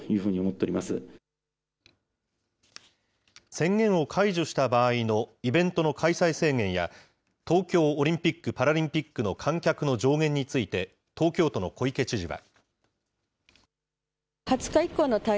宣言を解除した場合のイベントの開催制限や、東京オリンピック・パラリンピックの観客の上限について東京都の小池知事は。